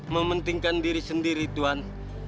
mementingkan diri sendiri tuan